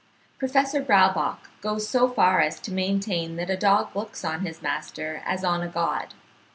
Professor Braubach goes so far as to maintain that a dog looks on his master as on a god.